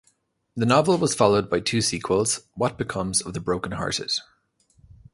The novel was followed by two sequels, What Becomes of the Broken Hearted?